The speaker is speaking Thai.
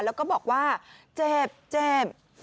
แล้วก็บอกว่าเจ็บเจ็บ